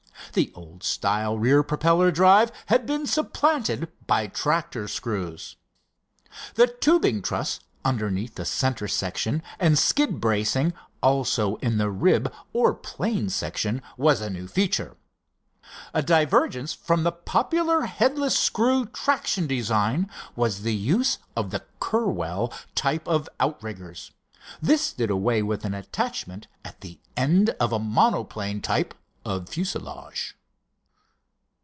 The old style rear propeller drive had been supplanted by tractor screws. The tubing truss underneath the center section and skid bracing also in the rib or plane section was a new feature. A divergence from the popular headless screw traction design was the use of the Curwell type of outriggers. This did away with an attachment at the end of a monoplane type of fuselage.